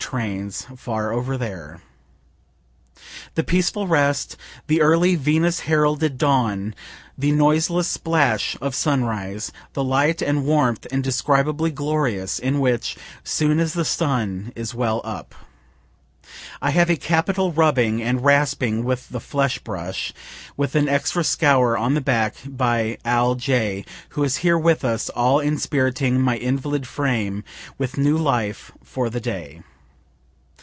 trains, far over there the peaceful rest the early Venus heralded dawn the noiseless splash of sunrise, the light and warmth indescribably glorious, in which, (soon as the sun is well up,) I have a capital rubbing and rasping with the flesh brush with an extra scour on the back by Al. J., who is here with us all inspiriting my invalid frame with new life, for the day.